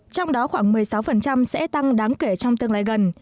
trong đó khoảng một mươi sáu sẽ tăng đáng kể trong tương lai gần